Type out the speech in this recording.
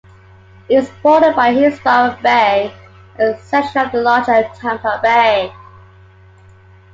It is bordered by Hillsborough Bay, a section of the larger Tampa Bay.